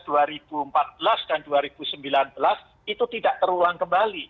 dua ribu empat belas dan dua ribu sembilan belas itu tidak terulang kembali